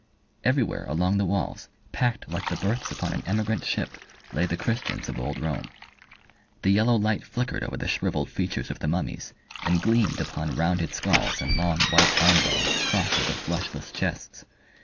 Everywhere along the walls, packed like the berths upon an emigrant ship, lay the Christians of old Rome. The yellow light flickered over the shrivelled features of the mummies, and gleamed upon rounded skulls and long, white arm bones crossed over fleshless chests.